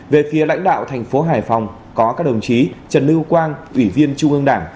về phía lãnh đạo thành phố hải phòng có các đồng chí trần lưu quang ủy viên trung ương đảng